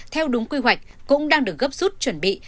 theo đúng quy hoạch cũng đang được gấp rút chuẩn bị